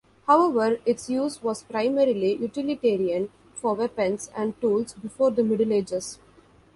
However, its use was primarily utilitarian for weapons and tools before the Middle Ages.